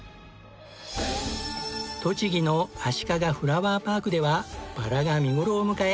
栃木のあしかがフラワーパークではバラが見頃を迎え。